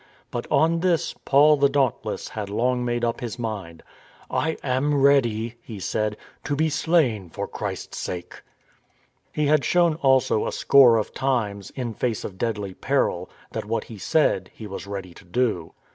But on this Paul the dauntless had long made up his mind. " I am ready," he said, " to be slain for Christ's sake." He had shown also a score of times, in face of deadly peril, that what he said he was ready to do.